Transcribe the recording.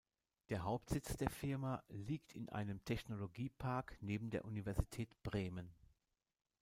Der Hauptsitz der Firma liegt in einem Technologiepark neben der Universität Bremen.